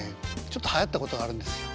ちょっとはやったことがあるんですよ。